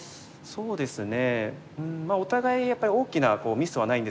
そうですね。